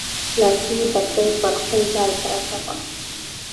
لاسي بتۍ پر خپل ځای پرته وه.